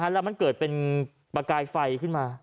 แล้วมันเกิดเป็นประกายไฟขึ้นมา